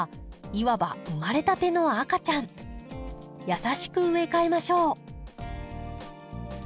優しく植え替えましょう。